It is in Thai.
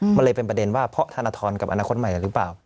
มันเลยเป็นประเด็นว่าเพราะธนทรกับอนาคตใหม่หรือเปล่า